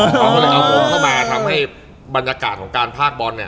เขาก็เลยเอามุมเข้ามาทำให้บรรยากาศของการพากบอลเนี่ย